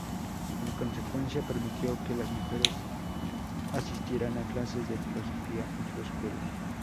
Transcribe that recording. En consecuencia, permitió que las mujeres asistieran a clases de filosofía en su escuela.